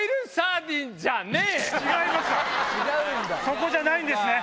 そこじゃないんですね。